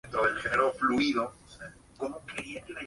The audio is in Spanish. Este tipo de moscatel es el llamado romano o de Alejandría.